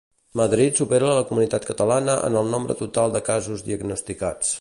Madrid supera la comunitat catalana en el nombre total de casos diagnosticats.